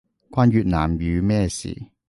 關越南語咩事